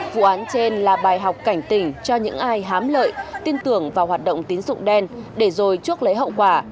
vụ án trên là bài học cảnh tỉnh cho những ai hám lợi tin tưởng vào hoạt động tín dụng đen để rồi chuốc lấy hậu quả